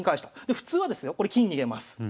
普通はですよこれ金逃げます。